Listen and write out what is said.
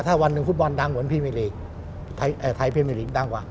ถ้าวันหนึ่งฟุตบอลดังเหมือนพรีเมลีกไทยพรีเมอร์ลีกดังกว่า